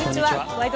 「ワイド！